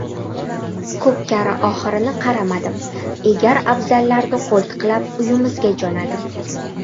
Ko‘pkari oxirini qaramadim. Egar-abzallarni qo‘ltiqlab, uyimizga jo‘nadim.